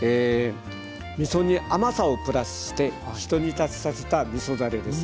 みそに甘さをプラスして一煮立ちさせたみそだれです。